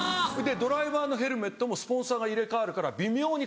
ドライバーのヘルメットもスポンサーが入れ替わるから微妙に。